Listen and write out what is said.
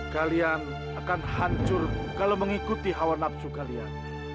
kalian akan hancur kalau mengikuti hawa nafsu kalian